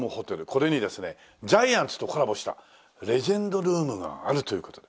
これにですねジャイアンツとコラボしたレジェンドルームがあるという事で。